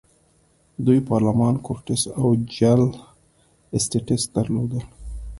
دوی پارلمان، کورټس او جل اسټټس درلودل.